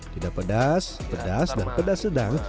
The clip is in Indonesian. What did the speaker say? tidak pedas pedas dan pedas sedang